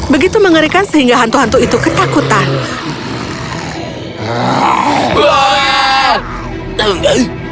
begitu mengerikan sehingga hantu hantu itu ketakutan